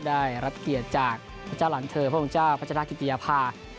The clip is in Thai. ได้รับเกียรติจากพระเจ้าหลานเธอพระองค์เจ้าพัชรากิติยภา